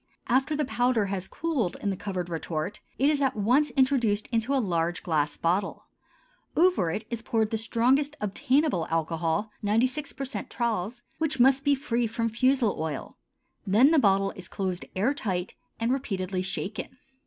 After the powder has cooled in the covered retort, it is at once introduced into a large glass bottle; over it is poured the strongest obtainable alcohol (96% Tralles) which must be free from fusel oil; then the bottle is closed air tight and repeatedly shaken.